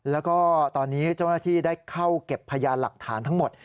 แล้วก็ตอนนี้เจ้าหน้าที่ได้เข้าเก็บพยานหลักฐานทั้งหมด